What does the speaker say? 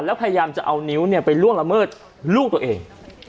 แล้วพยายามจะเอานิ้วไปล่วงละเมิดลูกตัวเอง